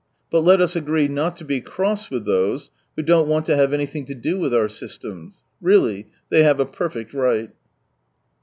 But let us agree not to be cross with those who don't want to have anything to do with our systems. Really, they have a perfect right.